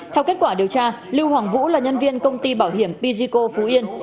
theo kết quả điều tra lưu hoàng vũ là nhân viên công ty bảo hiểm pysico phú yên